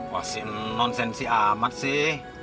wah sih nonsensi amat sih